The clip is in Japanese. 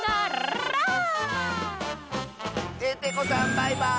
バイバーイ！